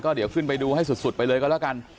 เดี๋ยวขึ้นไปดูให้สุดไปเลยก็แล้วกัน